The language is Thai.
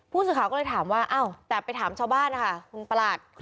ผู้สื่อข่าวก็เลยถามว่าอ้าวแต่ไปถามชาวบ้านนะคะคุณประหลัด